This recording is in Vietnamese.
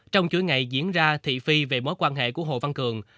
trong chuỗi ngày diễn ra thị phi về mối quan hệ của hồ văn cường